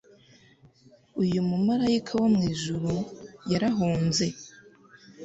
uyu mumarayika wo mwijuru yarahunze